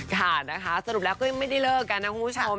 ค่ะนะคะสรุปแล้วก็ยังไม่ได้เลิกกันนะคุณผู้ชม